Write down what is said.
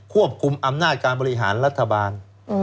คุมอำนาจการบริหารรัฐบาล